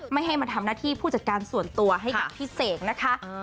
ไม่ให้มาทำหน้าที่ผู้จัดการส่วนตัวให้กับพี่เสกนะคะ